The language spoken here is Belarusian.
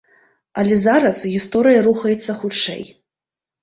Але зараз гісторыя рухаецца хутчэй.